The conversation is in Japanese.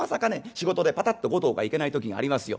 仕事でパタッと五十日行けない時がありますよ。